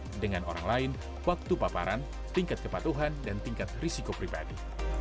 dengan orang lain waktu paparan tingkat kepatuhan dan tingkat risiko pribadi